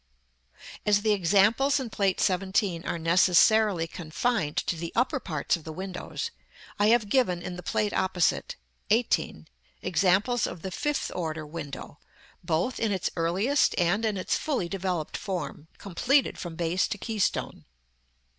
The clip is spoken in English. § XLIV. As the examples in Plate XVII. are necessarily confined to the upper parts of the windows, I have given in the Plate opposite (XVIII) examples of the fifth order window, both in its earliest and in its fully developed form, completed from base to keystone.